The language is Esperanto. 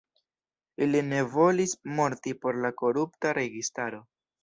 Ili ne volis morti por la korupta registaro.